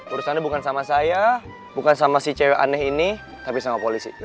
urusannya bukan sama saya bukan sama si cewek aneh ini tapi sama polisi